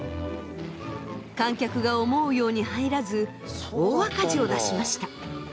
観客が思うように入らず大赤字を出しました。